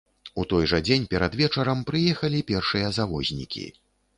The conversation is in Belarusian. У той жа дзень перад вечарам прыехалі першыя завознікі.